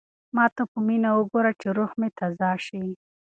ما ته په مینه وګوره چې روح مې تازه شي.